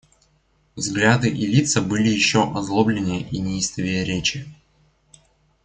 Взгляды и лица были еще озлобленнее и неистовее речи.